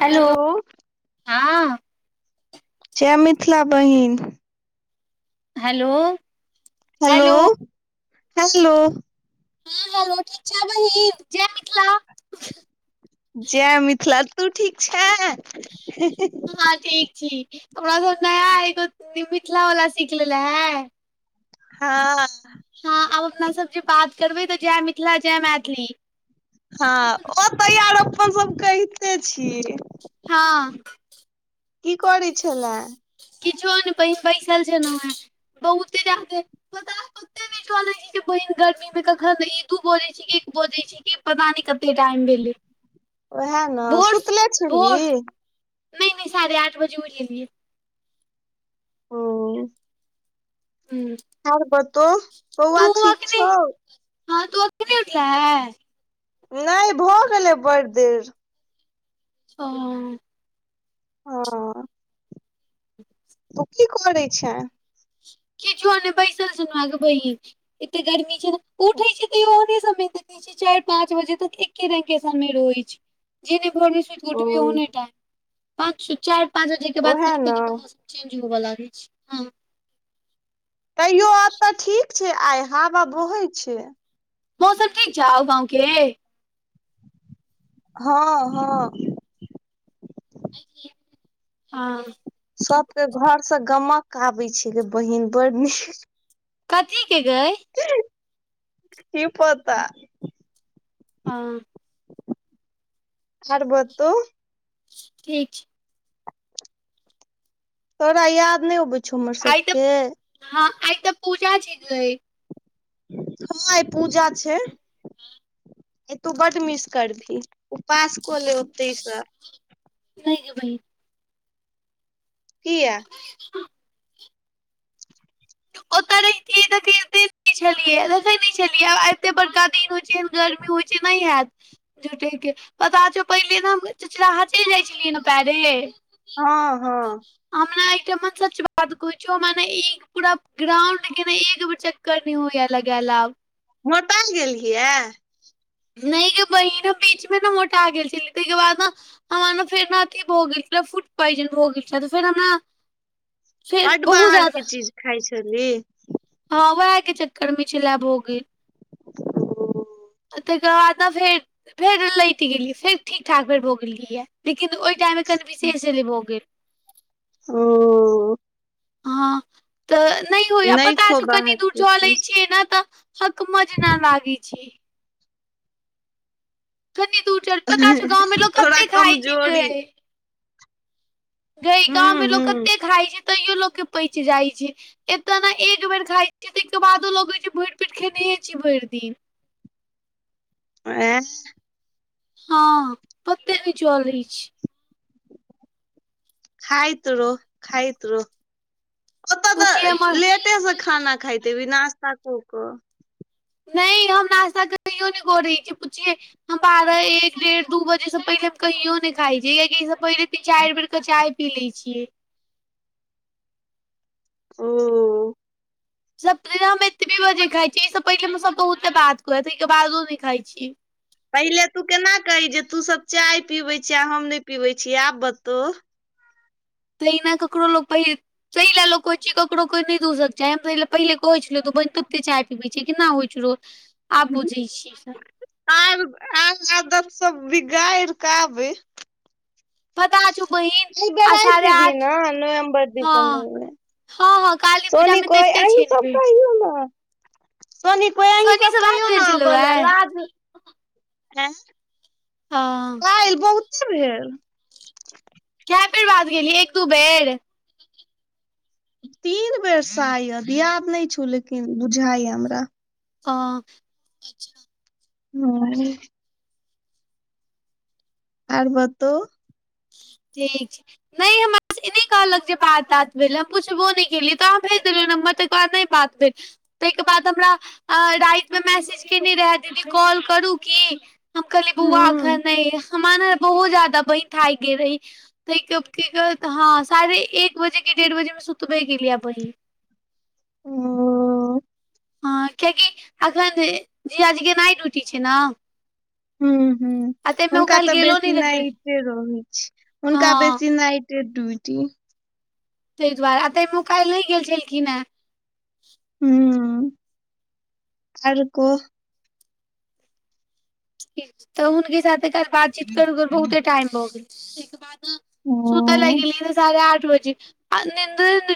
Hello हँ। जय मिथिला बहिन। Hello hello. हेलो। हँ हेलो ठीक छैय बहिन जय मिथिला। जय मिथिला तू ठीक छैं। हँ ठीक छी। हमरा सब नया एगो मिथिला वला सीख लेलेे है। हँ। हँ आब अपना सब जे बात करबै तऽ जय मिथिला जय मैथिली। हँ ओ तऽ आर अपन सभ कहिते छियै। हँ। की करय छलैं। किछो नय बहीन बैसल छलौ हें, बहुतेे जादे पता पते नय चलय छैय कि बहिन गर्मीमे कखन ई दू बजे छैय कि एक बजे छैय कि पता न कते टाइम भेले। उएह ने सुतले भोर छलही। नहि नहि साढ़े आठ बजे उठि गेलियै। ओ। हूँ। और बतौ बौआ ठीक नहि छौ। हँ तू अखन नहि उठल हें। नहि भऽ गेलै बड़ देर। अच्छा। ह। तू की करै छैं। कीछो नय बैसल छलहुँ आगे [unintelligible] एतऽ गर्मी छैय ने उठै छैय त ओहने समय चारि पाँच बजे तक एके रंगके समय रहय छैय जेहने भोरमे ओ उठभी ओहने टाइम पाँ चारि, पाँच बजे के बाद ओएह ने कनी-कनी कम हो सक चेंज होब लाग छैय, हँ। तैयो आब तऽ ठीक छैय आइ हवा बहय छैय। मौसम ठीक छौ गाँवके। हँ- हँ। हँ। सबके घरसे गमक आबै छैय गै बहिन बड़ नीक। कथीके गै। की पता। अ। आर बतो। ठीक छैय। तोरा याद नहि अबै छौ हमर आइ तऽ सबके। हँ आइ तऽ पूजा छी गै। हँ आय पूजा छैय, तू बड मिस करबही। उपास कऽ ले ओतैसँ। नहि गे बहीन। किये? ओ तऽ र देख छलियै देखै नहि छलियै आ एते बड़का दिन होइत छै एहन गर्मी होइत छै नहि हैत। जुठे के पता छो पहिले त हम [unintelligible] जाइ छलियै ने पैरे। हँ- हँ। हमरा एक [unintelligible] बाद कह मने ई पूरा ग्राउंड के ने एक बेर चक्कर न होया लगायेल आब। [unintelligible] नहि गे बहिन हम बीच मे ने मोटा गेल छलिये तै के बाद न हमर ने फेर अथी भ गेल छल फूड पॉइजन हो गेल छल तऽ फेर हमरा फेर बड बहुत बाहर के जादा। चीज खाइ [unintelligible] हँ उएह के चक्कर मे [unintelligible] भ गेल। [inaudible] तेकर बाद ने फेर फेर लैट गेलियै फेर ठीक ठाक फेर भऽ गेलियै लेकिन ओहि टाइममे कनि [unintelligible] एले भऽ गेल। ओ हँ तऽ नहि होइय पता खो छै कनि बाहर दूर के चलै चीज छियै ने तऽ हकमज न लागे छी। कनी दूर च पता छौ गावं लोग तोरा कते खाय छै गे। कमजोरी गे हूँ गाँव मे लोक हूँ कते खाइत छै तैयो लोक के पचि जाइत छै। एतऽ ने एक बेर खाइ छियऽ ते के बादो लगे छै भैर पेट खेने छी भरि दिन [inaudible] ए [unintelligible] हँ पते ने चले छै। खाइत रहो खइत रहो ओतऽ बुझियै तऽ हमर लेटे से खाना खा देवी नश्ता क क नहि हम नश्ता कहियो नहि करे छियै पुछिये। हम बारह एक डेढ़ दू बजे से पहिले हम कहियो नहि खाय छी कियकि ये से पहिले तीन चारि बेर के चाय पी लै छियै। ओ सब दिना हम एतबे बजे खाइ छीये ईसँ पहिले हम सब बहुते बात कह तेहो के बादो नहि खाइ छीये। पहिले तू केना कही जे तू सब चाय पीबै छिय आ हम नहि पीबै छीय आब बतहु तऽ इना ककरो लो पहि तेहिला लोग कहे छै ककरो कोइ न दूसे के चाही हम त पहिले कहै छैलो बहिन तू कते चाय केना होइ छै रोज आब बुझै छियै। आर आर आदत सब बिगाड़ कऽ आबे पता छौ बहिन आ साढ़े आठ [unintelligible] नवम्बर हँ दिसम्बर मे हँ हँ काली पूजा सोनी मे तऽ को अबिते अही छियै ने सब बहिन कहियौ ने सोनी को अही सोनी सब से बात कहियो भेल ने छलौ आबे ले ए लाज हँ काल बहुते भेल कए बेर बाद गेलियै एक दू बेर तीन बेर शायद याद नहि छौ लेकिन बुझाइय हमरा ओ ह आर बतौ। ठीक छै। नहि हमरा ई नहि कहलक जे बात तात भेले हम पुछबो नहि केलियै त अहाँ भेज देलियै न साफे बात अछि। ताहिके बाद हमरा रातिमे मैसेज केने रहय दीदी कॉल करू की? हम कहलियै बौआ हूँ अखैन नहि हमरा ने बहुत ज्यादा बहिन थाकि गेल रही। त कि कहु हँ साढ़े एक बजे के डेढ़ बजे मे सुतबे केलियै बहिन ओ। हँ कियाकि अखन जीजाजी के ओनैये डयूटी छै ने। हुं हुं ताहिमे ओ हुनका काल्हि तऽ गेलो नहि बेसी रहै नाइटे रहै छै हुनका हँ बेसी नाइट ट के ड्युटी। ताहि दुआरे आ ताहिमे काल्हि नै गेल छलखिन हे। हुं, आर को तऽ हुनके साथे बातचीत करू गे बहुते टाइम भ गेल बाद सुतै ले गेलियै त साढ़े आठ बजे निन्द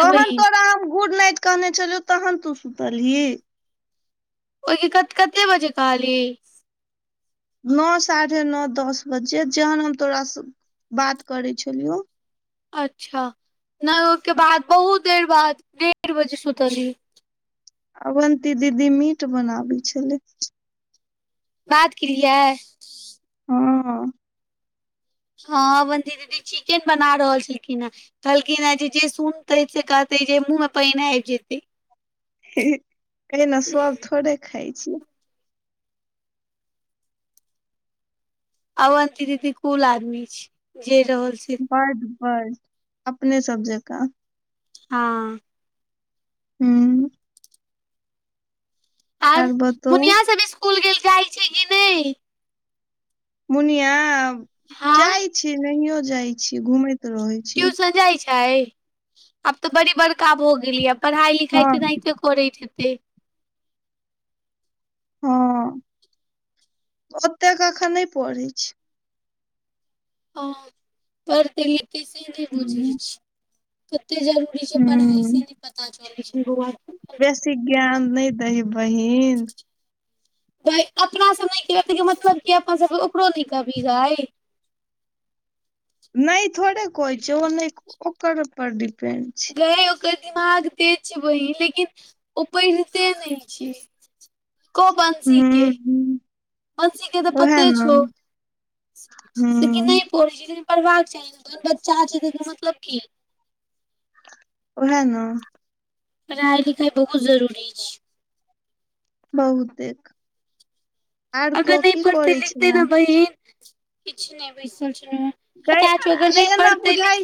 पवन तोरा हम गुडनाइट कहने छलियौ तखन तू सुतलही? ओहिके कते बजे कहली? नओ साढ़े नओ दस बजे, जेखन हम तोरासँ बात करे छलियौ। अच्छा नहि ओहिके बाद, बहुत देर बाद डेढ़ बजे सुतलियै। अवन्ती दीदी मीट बनाबै छलै। बात केलियै। हँ। हँ अवन्ती दीदी चिकेन बना रहल छलखिन हे। कहलकिन न जे जे सुनते से कहते जे मुँह में पानिये आबि जेतै। कहिन ने सब थोड़े खाइ छै। अवन्ती दीदी कूल आदमी छै, जे रहल छै। फर्द फर्द अपने सब जकाँ। हँ। हूँ। आर मुनिया सब स्कुल जाय छै कि नहि। मुनिया हँ जाय छी नहियो जाय छी, घूमैत रहै छी ट्यूशन जाइ छै आब तऽ बड़ी बड़का भ गेलैये। पढ़ाइ लिखाइ हँ तऽ नहिते करैत हेतै। हँ, ओतेक अखैन नै पढ़ै छै। हं, और पढ़ै मे की की नै हूँ बुझैत छी। कते जरूरी छै पढ़ाई हूँ से नहि पता चलैत छै बौआ के। बेसी ज्ञान नै दही बहिन। गै अपना समय मे नै रहै त मतलब कि ओकरो नै कभी होइ। नहि थोड़े कोइ छौ ओ नहि ओकर पर डिपेंड छै। त ओकर दिमाग तेज छै बहिन, लेकिन ओ पढ़िते नै छै। को बन सीे हूँ [unintelligible] हूँ दीदी के तऽ ओहे पते छौ न लेकिन नै। हूँ ओहि नहैत लेकिन पढ़बाक चाही ने, बच्चा छै तकर मतलब की। ओहे ने। पढ़ाइ लिखाइ बहुत जरूरी छै। बहुतेक आर अगर को नहि की पढ़ते करै लिखते छले ने बहिन, किछ नहि बैसल छलो हन गै पच [unintelligible] वगर आइ नहि एना पढ़तै लि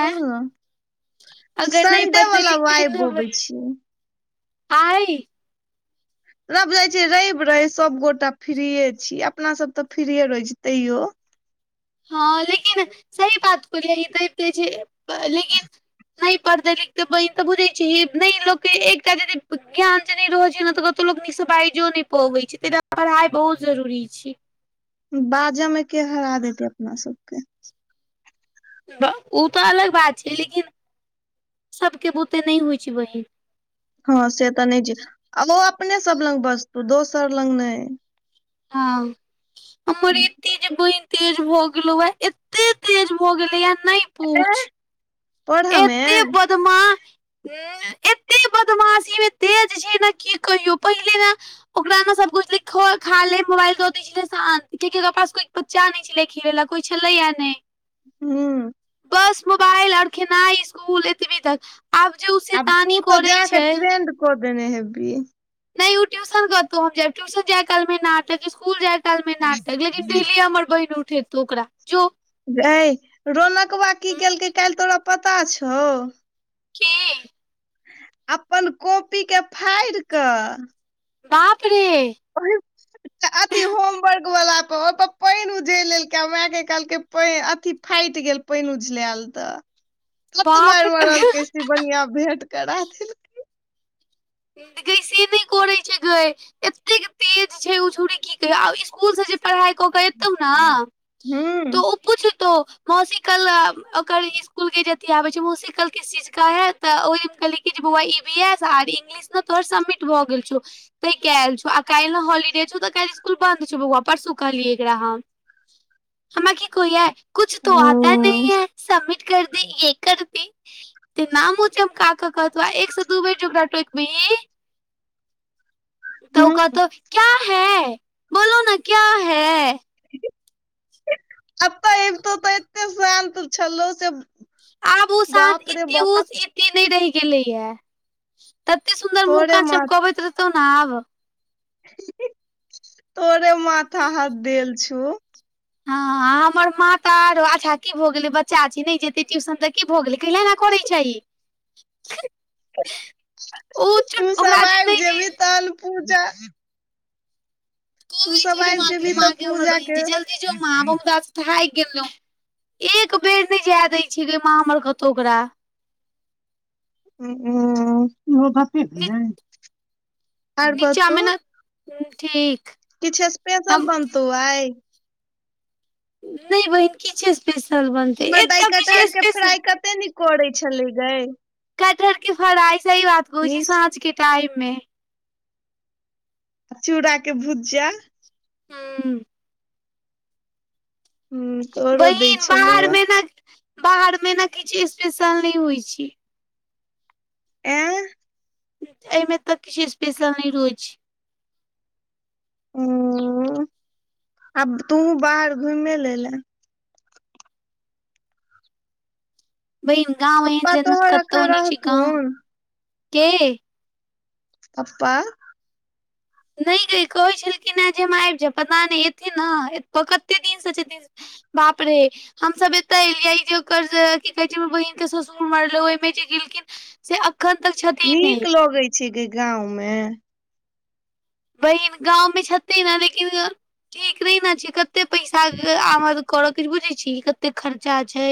कहलहु अगर नहि सडे पढ़तै वाला लिखतै वाइव ने गोबै बहिन छी आइ रबि जाइ छै रवि रव सबगोटा फ्रीे छीयै अपना सब तऽ फ्री रहै छी तैयो हँ लेकिन सही बात को यी त [unintelligible] लेकिन नहि पढ़तै लिखतै बहिन तऽ बुझै छीही नहि लोक एकटा यदि ज्ञान जे नै रहै छै ने तऽ त लोकनिसँ बाजो नहि पबै छै तै दुआरे पढ़ाई बहुत जरूरी छै बाजा मे के हरा देतै अपना सबके ओ तऽ अलग बात छै लेकिन सबके बुते नहि होइ छै बहिन हँ से तऽ नहि छै आ ओ अपने सब लग बजतौ दोसर लग नहि हँ हमर ए ते बनि तेज भए गेलो हे एते तेज भए गेलो या नहि पूछ पढ़मे बदमा [unintelligible] उं एते बदमाशी मे तेज छै ने की कहियौ पहिले ने ओकरा मे सब कहै छलै, [unintelligible] खाले मोबाइल दऽ छलैया शान्त बच्चानहि छलैया खिलएले कोइ छलैए नहि हूँ बस मोबाइल आओर खेनाई इसकूल एतबी तक आब जे उ सेतानी करै छै कदने हेबी [unintelligible] नहि उ ट्यूशन कतहु हम जायब ट्यूशन जाय काल में नाटक स्कुल जाइ काल मे नाटक लेकिन डेली हमर बहिन उठबितो ओकरा जो गै रौनकनकबा की केलकै काइल तोरा पता छौ की अपन कॉपी के फाड़ि कऽ बाप रे [unintelligible] अथी होमवर्क वला पर ओतो पानि उझलि लेलकै मायके कहलकै अथी फाटि गेल पानि उझलायल तऽ त बाप मारि मारलकै शिवनीया भेंट करा देलकै। गै से नहि करैत छै गए एतेक तेज छै ओ छोरी की कहियौ आब इसकुलसँ जे पढ़ाइ कऽ केऽ एतौ ने हूँ तऽ ओ पुछतो मौसी कल ओकर स्कूल के जे अथी आबै छै मौसी कल किस चीज का है तऽ ओहि कहलियै कि जे बौआ ई बी एस आर इंगलिश मे तोहर सबमिट भऽ गेल छौ तैं कयल छौ आ काल्हि हॉलीडे छौ तऽ काल्हि स्कुल बन्द छौ बौआ परसू कहलियै एकरा हम हमरा की कोहैया कुछ तो आता हूँ नही हैं। समिट कर दी ये कर दी ते [unintelligible] नामो का कहतै आ एक से दू बेर ओकरा टोकी बिही त उ हूँ कहतौ क्या हैं बोलो न क्या है? अतऽ अबितौ तऽ एते शान्त छलौ से आब ओ शान्त बाप रे एते बौका उस एते नहि रहि गेलैया तते सुंन्दर मुँह तोरे कान मा चमकबैत रहतौ ने आब तोरे माथा हाथ देल छो। हँ हमर मात ता आरो अच्छा भऽ गेलै बच्चा छै नहि जेते ट्यूशन तऽ की भऽ गेलै कहले करै छै ई। ओ छोट तू ओकरा सब जे आबि नहि जे जेबी तल पूजा तू सब आबि जेबही तऽ [unintelligible] हमर पूजा बहिन के छै जल्दी जो मां थक गेलहु एक बेर नहि जाय दय छै गे मां हमर कतहु ओकरा। [unintelligible] आर बतो नीचामे ने ठीक किछु स्पेशल हम बनतौ आय? नहि बहिन कीछ स्पेशल बनतै एतऽ की छै स्पेशल तनी करे छलै गे। कटहर के फ्राइ सही बात कहै छै निस साँझ के टाइम मे। चूड़ा के भुजा। हू ह तोरो दै बहिन छलौ हे बाहरमे ने बाहरमे ने किछु स्पेशल नहि होइ छै। [unintelligible] एहिमे तऽ किछु स्पेशल नहि रहै छै। ओ आब तु बाहर घुमें ले ल। बहिन गाँंव एहन पप्पा जनत तोहर कतहु एखन न छै गाँंव रहथुन के पप्पा! नहि गे कहै छलखिन ह जे हम आबि जेबें पता नहि एथिन ने कते दिनसँ छथिन बाप रे! हमसभ एताे एलियै जे ओकर कि कहै छै बहिन के ससुर मरले ओहिमे जे गेलखिन से खन तक छत नीक लगै छै गे गाँंव मे। बहिन गाँव मे छथिन ने लेकिन ठीक नहि ने छै कते पैसा आमद करय बुझैत छी कते खर्चा छै।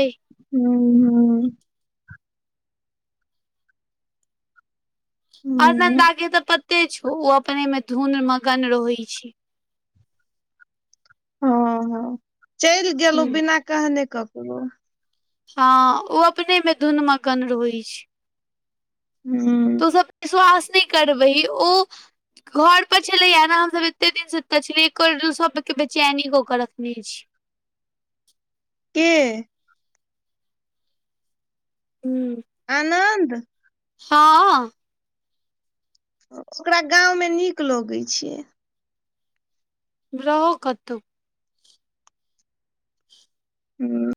ह ह ह आनन्दा के तऽ पते छौ ओ अपने मे धुन मगन रहै छै। हँ हँ चलि गेलौ हूँ बिना कहने ककरो। हँ ओ अपने मे धुन मगन रहइ छै। हू। तु सब विश्वास नहि करबही ओ घर पर छलैया न हम सब एते दिन स अत छलियइ को सब के बेचैनी कऽ के रखने छै। के हू। आनन्द। हां। ओकरा गाँंवमे नीक लगै छियै। रहो कतो। ह